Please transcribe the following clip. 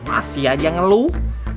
masih aja ngeluh